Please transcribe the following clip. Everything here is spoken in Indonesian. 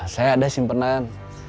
saya ada simpenan